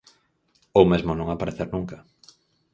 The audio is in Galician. Ou mesmo non aparecer nunca.